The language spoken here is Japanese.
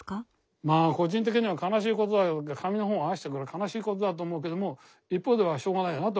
まぁ個人的には悲しいことだけど紙の本を愛しているから悲しいことだと思うけども一方ではしょうがないなとは思うよ。